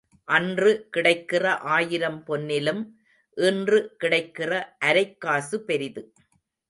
அன்று கிடைக்கிற ஆயிரம் பொன்னிலும் இன்று கிடைக்கிற அரைக்காசு பெரிது.